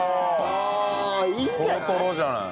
いいんじゃない？